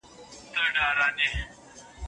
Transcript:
که عدالت وي نو خلګ به خوشحاله ژوند وکړي.